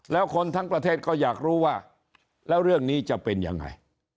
แล้วคนทั้งประเทศก็อยากรู้ว่าแล้วเรื่องนี้จะเป็นยังไง